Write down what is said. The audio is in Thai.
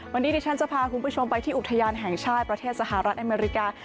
วันนี้ดิฉันจะพาคุณผู้ชมไปที่อุทยานแห่งชาติประเทศสหรัฐอเมริกา